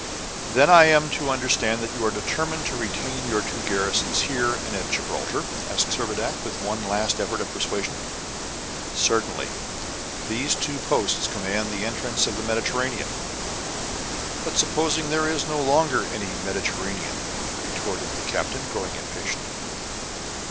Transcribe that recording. "Then I am to understand that you are determined to retain your two garrisons here and at Gibraltar?" asked Servadac, with one last effort at persuasion. "Certainly; these two posts command the entrance of the Mediterranean." "But supposing there is no longer any Mediterranean?" retorted the captain, growing impatient.